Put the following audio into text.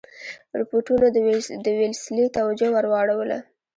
رپوټونو د ویلسلي توجه ور واړوله.